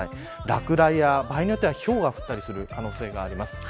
落雷や場合によってはひょうが降ったりする可能性があります。